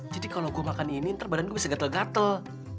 jadi kalo gue makan ini ntar badan gue bisa gatel gatel